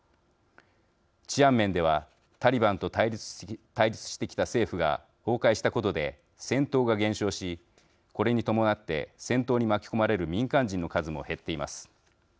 治安面ではタリバンと対立してきた政府が崩壊したことで戦闘が減少しこれに伴って戦闘に巻き込まれる民間人の数も減っています。